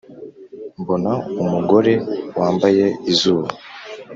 mbona umugore wambaye izuba,